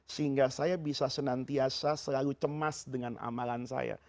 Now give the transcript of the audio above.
sehingga saya bisa senantiasa selalu cemas dengan amalan saya